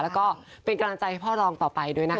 แล้วก็เป็นกำลังใจให้พ่อรองต่อไปด้วยนะคะ